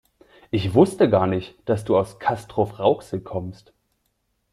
Ich wusste gar nicht, dass du aus Castrop-Rauxel kommst